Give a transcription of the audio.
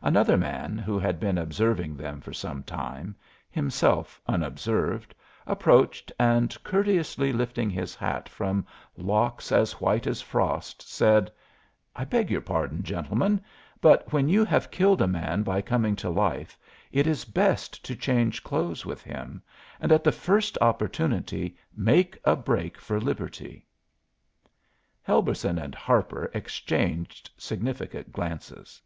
Another man, who had been observing them for some time, himself unobserved, approached and, courteously lifting his hat from locks as white as frost, said: "I beg your pardon, gentlemen, but when you have killed a man by coming to life, it is best to change clothes with him, and at the first opportunity make a break for liberty." Helberson and Harper exchanged significant glances.